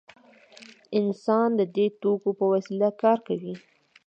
انسان د دې توکو په وسیله کار کوي.